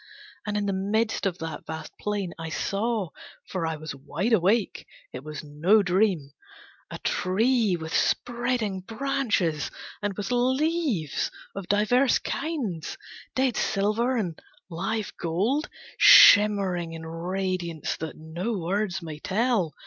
And in the midst of that vast plain, I saw, For I was wide awake, it was no dream, A tree with spreading branches and with leaves Of divers kinds, dead silver and live gold, Shimmering in radiance that no words may tell!